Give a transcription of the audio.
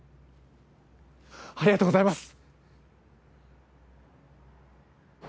ありがとうございます！